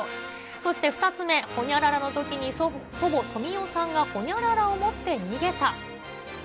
そして２つ目、ほにゃららのときに祖母、富代さんがほにゃららを持って逃げた。